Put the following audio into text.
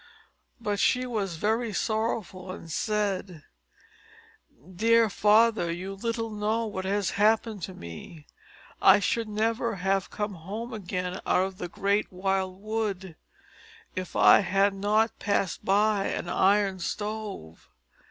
But she was very sorrowful, and said: "Dear father, you little know what has happened to me; I should never have come home again out of the great wild wood, if I had not passed by an Iron Stove.